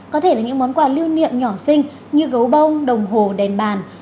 có thể là những món quà lưu niệm nhỏ sinh như gấu bông đồng hồ đèn bàn